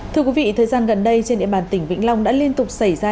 thưa quý vị thời gian gần đây trên địa bàn tỉnh vĩnh long đã liên tục xảy ra